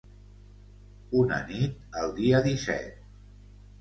Una nit el dia disset.